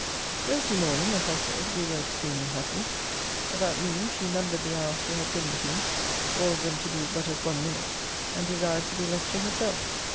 Thursday morning, as I said, we were extremely happy about noon, she numbered the hours she had been with me; all of them to be but as one minute; and desired to be left to herself.